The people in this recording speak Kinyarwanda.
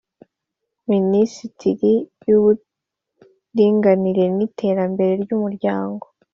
Minisiteri y Uburinganire n Iterambere ry Umuryango